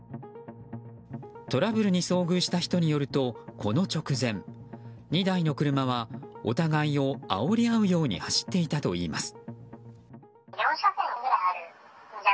トラブルに遭遇した人によるとこの直前２台の車はお互いをあおり合うように走っていたといいます。